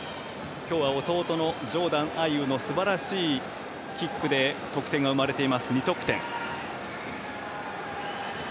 今日は弟のジョーダン・アイウのすばらしいキックで得点が生まれています、２得点。